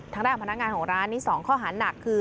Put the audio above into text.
ท่านงานของร้านอีก๒ข้อหานักคือ